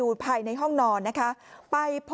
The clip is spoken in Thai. กลุ่มตัวเชียงใหม่